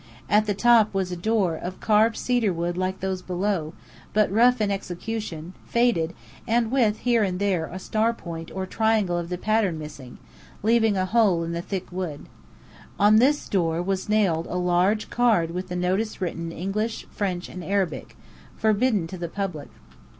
At the top was a door of carved cedarwood like those below, but rough in execution, faded, and with here and there a starpoint or triangle of the pattern missing, leaving a hole in the thick wood. On this door was nailed a large card with the notice in English, French, and Arabic, "Forbidden to the Public."